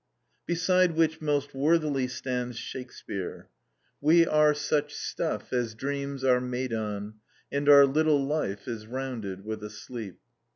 Beside which most worthily stands Shakespeare:— "We are such stuff As dreams are made on, and our little life Is rounded with a sleep."